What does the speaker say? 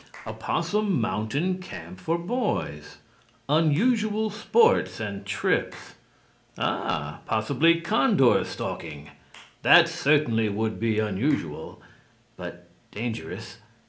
"'Opossum Mountain Camp for Boys. Unusual sports and trips' Ah, possibly condor stalking! That certainly would be unusual. But dangerous!